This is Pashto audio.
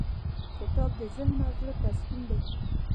کتاب د ذهن او زړه تسکین دی.